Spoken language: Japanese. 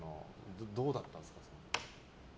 どうだったんですか？